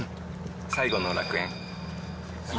最後の楽園。